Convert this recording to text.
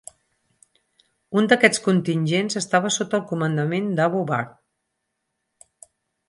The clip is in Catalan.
Un d'aquests contingents estava sota el comandament d'Abu Bakr.